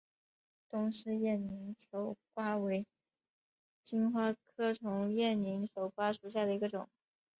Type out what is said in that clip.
东氏艳拟守瓜为金花虫科艳拟守瓜属下的一个种。